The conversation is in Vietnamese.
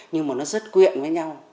nhưng mà nó rất quyện với nhau